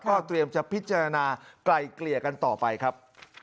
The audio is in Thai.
ก็เตรียมจะพิจารณาไกลเกลี่ยกันต่อไปครับ